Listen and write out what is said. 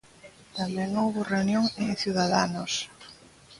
Tamén houbo reunión en Ciudadanos.